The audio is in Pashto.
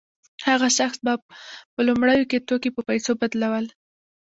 هغه شخص به په لومړیو کې توکي په پیسو بدلول